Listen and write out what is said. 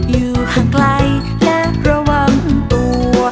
อยู่ห่างไกลและระวังตัว